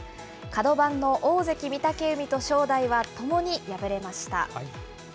角番の大関・御嶽海と正代はともに敗れました。